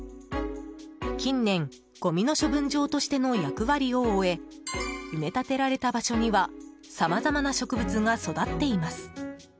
近年、ごみの処分場としての役割を終え埋め立てられた場所にはさまざまな植物が育っています。